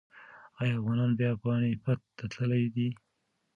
ایا افغانان بیا پاني پت ته تللي دي؟